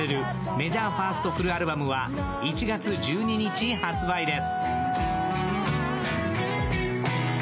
メジャーファーストフルアルバムは１月１２日発売です。